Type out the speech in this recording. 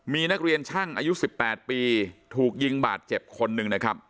มีนักเรียนช่างอายุ๑๘ปีถูกยิงบาดเจ็บคนหนึ่งนะครับ